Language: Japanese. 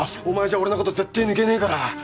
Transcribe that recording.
お前じゃ俺のこと絶対抜けねえから！